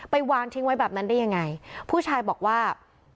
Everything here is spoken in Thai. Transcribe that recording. วางทิ้งไว้แบบนั้นได้ยังไงผู้ชายบอกว่า